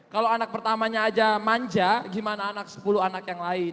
kalau anak pertamanya aja manja gimana anak sepuluh anak yang lain